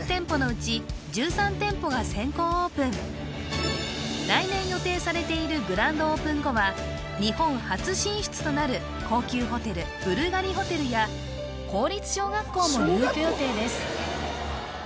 すごいね来年予定されているグランドオープン後は日本初進出となる高級ホテルブルガリホテルや公立小学校も入居予定です